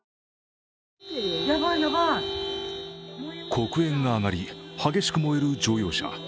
黒煙が上がり、激しく燃える乗用車。